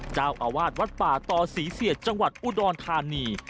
เจ้าวาดวัดป่าต่อเสียที่จังหวัดอุดรธานี